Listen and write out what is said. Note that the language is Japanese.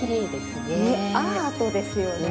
ねっアートですよね。